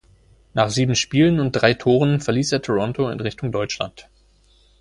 Nach sieben Spielen und drei Toren verließ er Toronto in Richtung Deutschland.